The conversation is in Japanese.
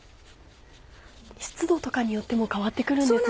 湿度によっても変わって来るんですね。